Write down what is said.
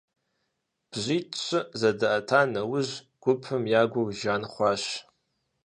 БжьитӀ-щы зэдаӀэта нэужь, гупым я гур жан хъуащ.